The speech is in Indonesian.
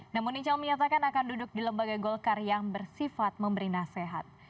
namun ical menyatakan akan duduk di lembaga golkar yang bersifat memberi nasihat